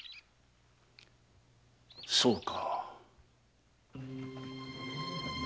そうか。